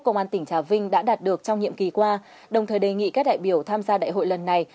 công an tỉnh trà vinh đã đạt được trong nhiệm kỳ qua đồng thời đề nghị các đại biểu tham gia đại hội lần này